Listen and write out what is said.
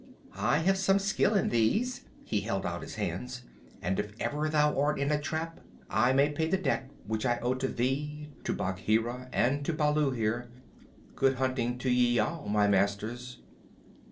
I have some skill in these [he held out his hands], and if ever thou art in a trap, I may pay the debt which I owe to thee, to Bagheera, and to Baloo, here. Good hunting to ye all, my masters."